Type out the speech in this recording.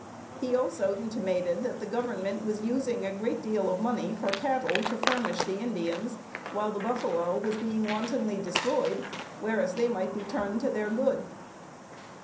He also intimated that the Government was using a great deal of money for cattle to furnish the Indians, while the buffalo was being wantonly destroyed, whereas they might be turned to their good.